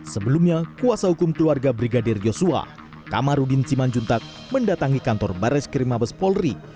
sebelumnya kuasa hukum keluarga brigadir yosua kamarudin ciman juntak mendatangi kantor baird skim habes polri